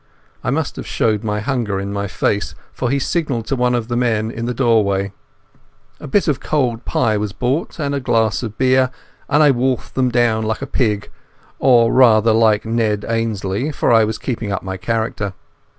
I must have showed my hunger in my face, for he signalled to one of the men in the doorway. A bit of cold pie was brought and a glass of beer, and I wolfed them down like a pig—or rather, like Ned Ainslie, for I was keeping up my character.